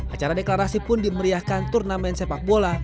acara deklarasi pun dimeriahkan turnamen sepak bola